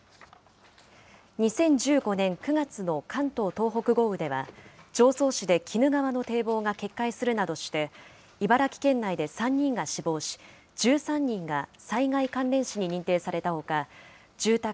２０１５年９月の関東・東北豪雨では、常総市で鬼怒川の堤防が決壊するなどして茨城県内で３人が死亡し、１３人が災害関連死に認定されたほか、住宅